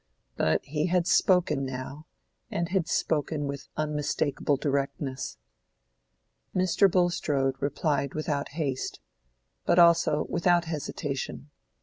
But he had spoken now, and had spoken with unmistakable directness. Mr. Bulstrode replied without haste, but also without hesitation.